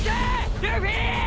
ルフィ！